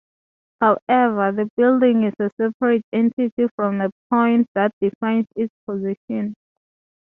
However, the "Building" is a separate entity from the "Point" that defines its position.